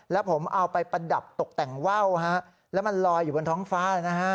แล้วผมเอาไปประดับตกแต่งว่าวฮะแล้วมันลอยอยู่บนท้องฟ้านะฮะ